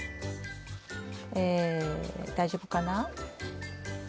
え大丈夫かな。